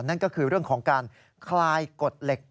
นั่นก็คือเรื่องของการคลายกฎเหล็ก